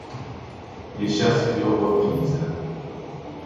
Les chasses furent reprises.